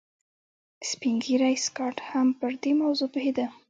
سپین ږیری سکاټ هم پر دې موضوع پوهېده